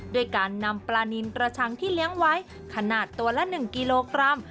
ด้วยการนำปลานินกระชังที่เลี้ยงไว้ขนาดตัวละ๑กิโลกรัม